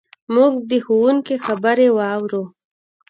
موږ د ښوونکي خبرې واورو.